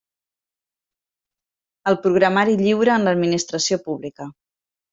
El programari lliure en l'Administració Pública.